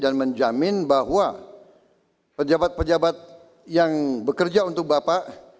dan menjamin bahwa pejabat pejabat yang bekerja untuk bapak